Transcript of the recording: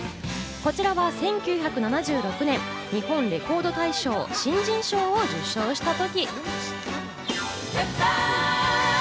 こちらは１９７６年、日本レコード大賞を新人賞を受賞した時。